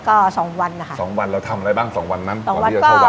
ก็สองวันค่ะสองวันเราทำอะไรบ้างสองวันนั้นสองวันก็